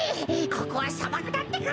ここはさばくだってか。